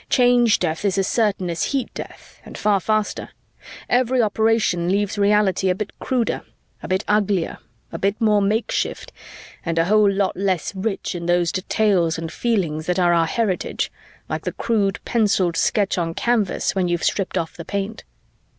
Change Death is as certain as Heat Death, and far faster. Every operation leaves reality a bit cruder, a bit uglier, a bit more makeshift, and a whole lot less rich in those details and feelings that are our heritage, like the crude penciled sketch on canvas when you've stripped off the paint.